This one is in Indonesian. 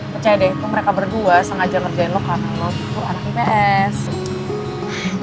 percaya deh tuh mereka berdua sengaja ngerjain lo karena lo tuh arti best